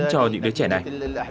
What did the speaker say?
cho những đứa trẻ này